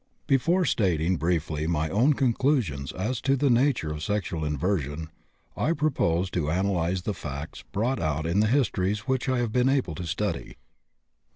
Before stating briefly my own conclusions as to the nature of sexual inversion, I propose to analyze the facts brought out in the histories which I have been able to study.